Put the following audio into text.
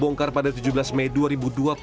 bongkar pada tujuh belas mei dua ribu dua puluh